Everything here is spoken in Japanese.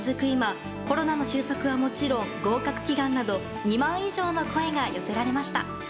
今コロナの収束はもちろん合格祈願など２万以上の声が寄せられました。